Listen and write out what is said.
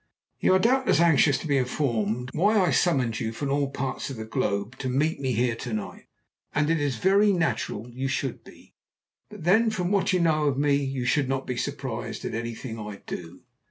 "You are doubtless anxious to be informed why I summoned you from all parts of the globe to meet me here to night? And it is very natural you should be. But then, from what you know of me, you should not be surprised at anything I do."